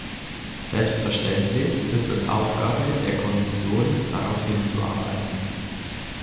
Selbstverständlich ist es Aufgabe der Kommission, darauf hinzuarbeiten.